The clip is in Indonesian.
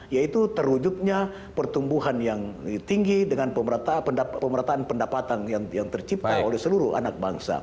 yaitu terwujudnya pertumbuhan yang tinggi dengan pemerataan pendapatan yang tercipta oleh seluruh anak bangsa